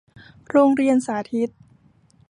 โรงเรียนสาธิต